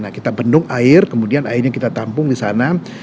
nah kita bendung air kemudian airnya kita tampung di sana